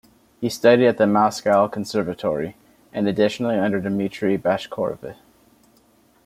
He studied at the Moscow Conservatory, and additionally under Dmitri Bashkirov.